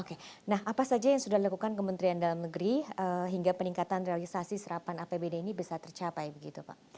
oke nah apa saja yang sudah dilakukan kementerian dalam negeri hingga peningkatan realisasi serapan apbd ini bisa tercapai begitu pak